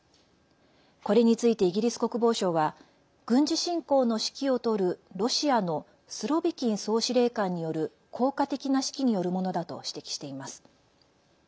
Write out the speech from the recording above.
これについてイギリス国防省は軍事侵攻の指揮を執る、ロシアのスロビキン総司令官による効果的な指揮によるものだと指摘しています。